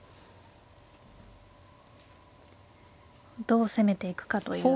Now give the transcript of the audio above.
どう攻めていくかという。